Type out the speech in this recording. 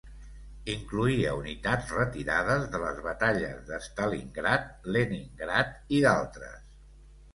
Incloïa unitats retirades de les batalles de Stalingrad, Leningrad i d'altres.